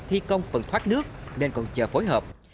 thi công phần thoát nước nên còn chờ phối hợp